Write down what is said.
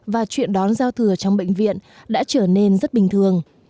và chuyện đón giao thừa trong bệnh viện đã trở nên rất bình thường